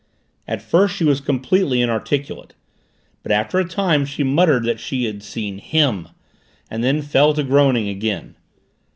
At first she was completely inarticulate, but after a time she muttered that she had seen "him" and then fell to groaning again.